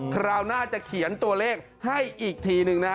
คราวหน้าจะเขียนตัวเลขให้อีกทีหนึ่งนะฮะ